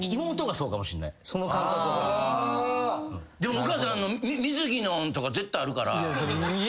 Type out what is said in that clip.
お母さん水着のとか絶対あるから。